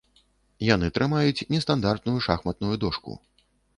Яны трымаюць нестандартную шахматную дошку.